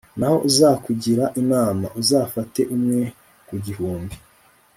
naho uzakugira inama, uzafate umwe ku gihumbi